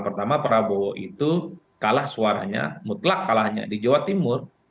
pertama prabowo itu kalah suaranya mutlak kalahnya di jawa timur